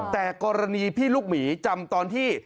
แต่กรณีพี่ลูกหมีจำตอนที่